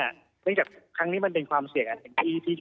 เนื่องจากครั้งนี้มันเป็นความเสี่ยงอันเต็มที่